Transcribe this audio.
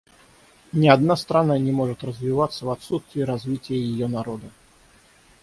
Ни одна страна не может развиваться в отсутствие развития ее народа.